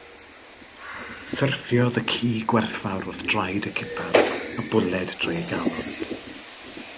Syrthiodd y ci gwerthfawr wrth draed y cipar, a bwled drwy ei galon.